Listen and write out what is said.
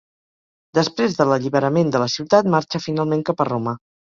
Després de l'alliberament de la ciutat marxa finalment cap a Roma.